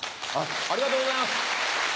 ありがとうございます。